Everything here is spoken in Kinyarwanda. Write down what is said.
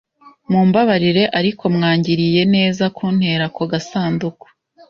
Mumbabarire ariko, mwangiriye neza kuntera ako gasanduku?